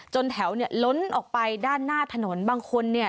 แถวเนี่ยล้นออกไปด้านหน้าถนนบางคนเนี่ย